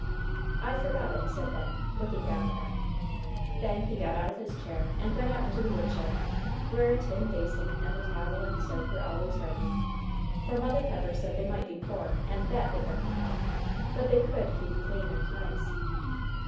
"I forgot it," said Ben, looking down at them. Then he got out of his chair and went out into the woodshed, where a tin basin and a towel and soap were always ready, for Mother Pepper said they might be poor, and that they couldn't help, but they could keep clean and nice.